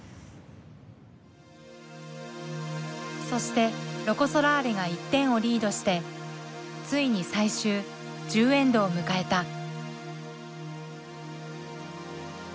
そしてロコ・ソラーレが１点をリードしてついに最終１０エンドを迎えた。